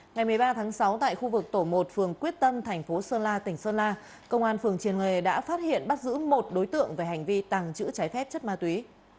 ngày một mươi ba tháng sáu tại khu vực tổ một phường quyết tâm thành phố sơn la tỉnh sơn la công an phường triền nghề đã phát hiện bắt giữ một đối tượng về hành vi tàng trữ trái phép chất ma túy